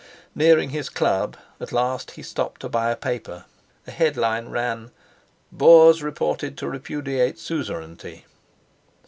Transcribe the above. Nearing his Club at last he stopped to buy a paper. A headline ran: "Boers reported to repudiate suzerainty!"